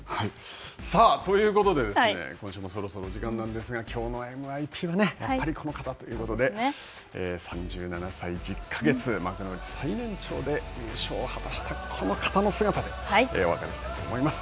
さあ、ということでですね、今週もそろそろ時間なんですが「きょうのＭＩＰ」は、やっぱりこの方ということで３７歳１０か月、幕内最年長で優勝を果たした、この方の姿でお別れしたいと思います。